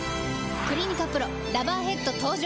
「クリニカＰＲＯラバーヘッド」登場！